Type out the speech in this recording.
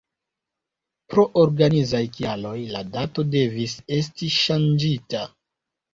Pro organizaj kialoj la dato devis esti ŝanĝita!.